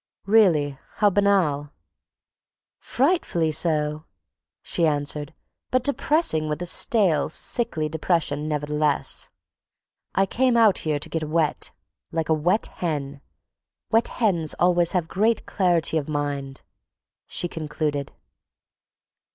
"Really! how banal!" "Frightfully so," she answered, "but depressing with a stale, sickly depression, nevertheless. I came out here to get wet—like a wet hen; wet hens always have great clarity of mind," she concluded.